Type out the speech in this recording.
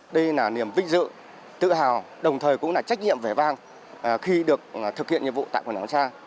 đây là niềm vinh dự tự hào đồng thời cũng là trách nhiệm vẻ vang khi được thực hiện nhiệm vụ tại quần áo xa